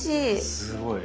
すごいえ？